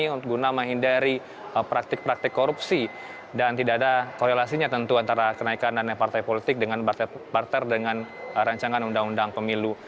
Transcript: karena menghindari praktik praktik korupsi dan tidak ada korelasinya tentu antara kenaikan dana partai politik dengan barter dengan rancangan undang undang pemilu